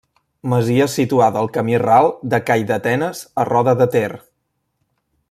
Masia situada al camí ral de Calldetenes a Roda de Ter.